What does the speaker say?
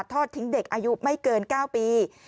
ทอดทิ้งเด็กอายุไม่เกิน๙ปี